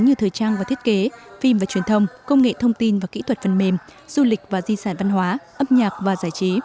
như thời trang và thiết kế phim và truyền thông công nghệ thông tin và kỹ thuật phần mềm du lịch và di sản văn hóa âm nhạc và giải trí